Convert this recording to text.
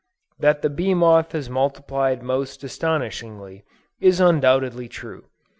That the bee moth has multiplied most astonishingly, is undoubtedly true.